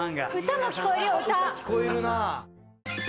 歌聞こえるな。